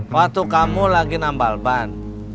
waktu kamu lagi nambal ban